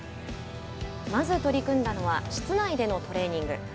まず取り組んだのは室内でのトレーニング。